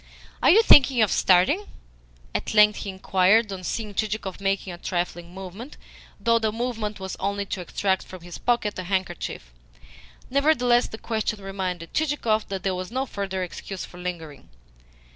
"Are you thinking of starting?" at length he inquired, on seeing Chichikov making a trifling movement, though the movement was only to extract from his pocket a handkerchief. Nevertheless the question reminded Chichikov that there was no further excuse for lingering.